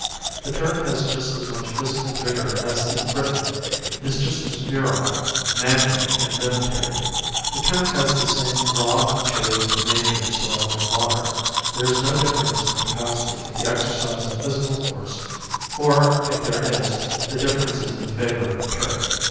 The Turk has just as much physical vigour as the Briton, is just as virile, manly and military. The Turk has the same raw materials of Nature, soil and water. There is no difference in the capacity for the exercise of physical force or if there is, the difference is in favour of the Turk.